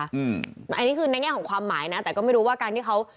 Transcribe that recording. อันนี้คือในแง่ของความหมายนะแต่ก็ไม่รู้ว่าการที่เขา